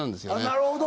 なるほど。